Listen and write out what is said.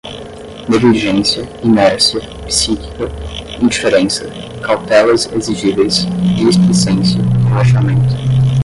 negligência, inércia, psíquica, indiferença, cautelas exigíveis, displicência, relaxamento